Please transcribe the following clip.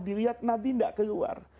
dilihat nabi nggak keluar